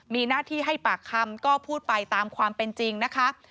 มีหน้าที่ให้ปากคำก็พูดไปตามความเป็นจริงนะคะ